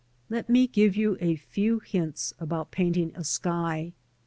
Let me give you a few hints about painting a sky.